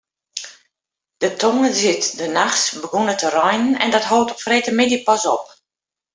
De tongersdeitenachts begûn it te reinen en dat hold op freedtemiddei pas op.